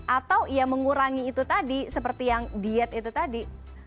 atau ya mengurangi itu tadi seperti yang diet itu tadi